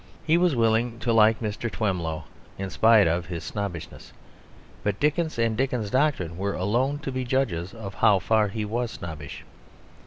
He was willing to like Mr. Twemlow in spite of his snobbishness, but Dickens and Dickens's doctrine were alone to be judges of how far he was snobbish.